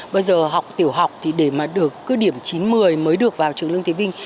bây giờ học tiểu học thì để mà được cứ điểm chín một mươi mới được vào trường lương thế vinh